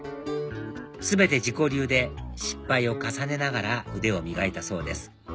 全て自己流で失敗を重ねながら腕を磨いたそうです